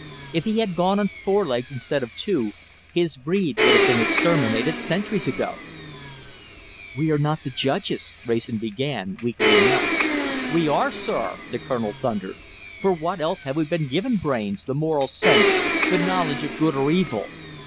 If he had gone on four legs instead of two, his breed would have been exterminated centuries ago." "We are not the judges," Wrayson began, weakly enough. "We are, sir," the Colonel thundered. "For what else have we been given brains, the moral sense, the knowledge of good or evil?